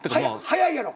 早いやろ？